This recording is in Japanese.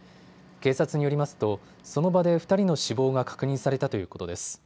警察によりますとその場で２人の死亡が確認されたということです。